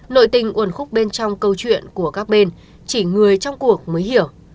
nội tình uẩn khúc bên trong câu chuyện của các bên chỉ người trong cuộc mới hiểu